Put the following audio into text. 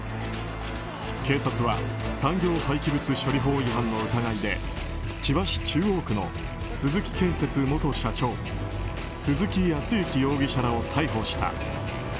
警察は産業廃棄物処理法違反の疑いで千葉市中央区の鈴木建設元社長鈴木康之容疑者らを逮捕した。